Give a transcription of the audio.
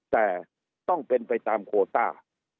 แต่ต้องเป็นไปตามโคต้า